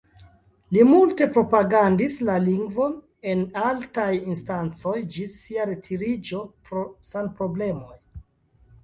Li multe propagandis la lingvon en altaj instancoj, ĝis sia retiriĝo pro sanproblemoj.